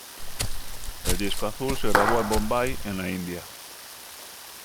El disco azul se grabó en Bombay, en la India.